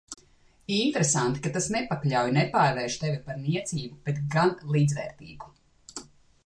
Interesanti, ka tas nepakļauj, nepārvērš tevi par niecību, bet gan līdzvērtīgu.